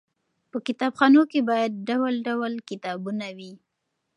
په کتابخانو کې باید ډول ډول کتابونه وي.